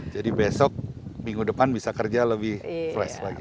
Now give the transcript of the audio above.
jadi besok minggu depan bisa kerja lebih fresh lagi